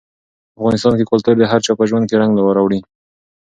په افغانستان کې کلتور د هر چا په ژوند کې رنګ راوړي.